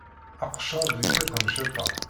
Aqeccaḍ di tiṭ n cciṭan.